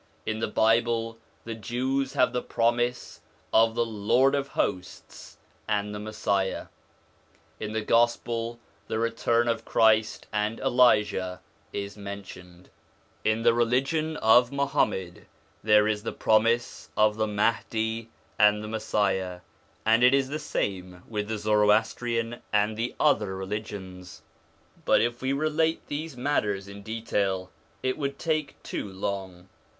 In the Bible the Jews have the promise of the Lord of Hosts and the Messiah ; in the Gospel the return of Christ and Elijah is promised. In the religion of Muhammad there is the promise of the Mahdi and the Messiah, and it is the same with ON THE INFLUENCE OF THE PROPHETS 47 the Zoroastrian and the other religions, but if we relate these matters in detail it would take too long.